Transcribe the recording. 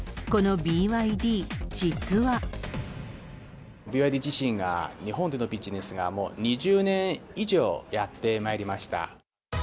ＢＹＤ自身が、日本でのビジネスがもう２０年以上やってまいりました。